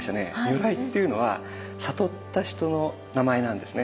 如来っていうのは悟った人の名前なんですね。